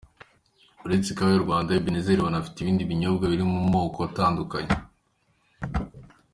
Uretse Ikawa y’u Rwanda, Ebenezer banafite ibindi binyobwa biri mu moko atandukanye.